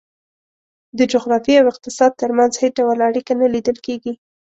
د جغرافیې او اقتصاد ترمنځ هېڅ ډول اړیکه نه لیدل کېږي.